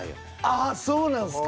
ああそうなんすか。